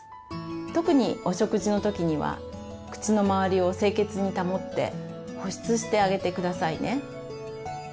特にお食事の時には口の周りを清潔に保って保湿してあげてくださいね。